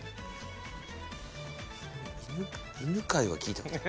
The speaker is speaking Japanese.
犬養は聞いたことある。